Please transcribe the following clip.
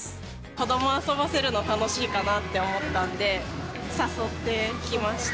子どもを遊ばせるのが楽しいかなって思ったんで、誘ってきました。